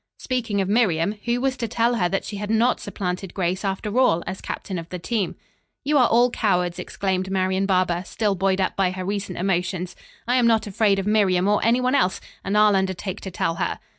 Speaking of Miriam, who was to tell her that she had not supplanted Grace after all, as captain of the team. "You are all cowards," exclaimed Marian Barber still buoyed up by her recent emotions, "I am not afraid of Miriam, or anyone else, and I'll undertake to tell her."